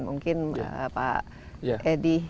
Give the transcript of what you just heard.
mungkin pak edi